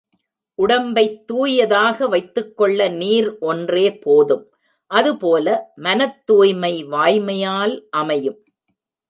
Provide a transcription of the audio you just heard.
உடம்பைத் தூயதாக வைத்துக்கொள்ள நீர் ஒன்றே போதும் அதுபோல மனத்துய்மை வாய்மையால் அமையும்.